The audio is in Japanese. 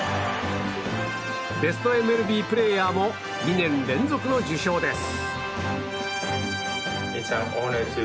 ベストＭＬＢプレーヤーも２年連続の受賞です。